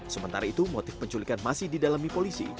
sementara itu motif penculikan masih didalami polisi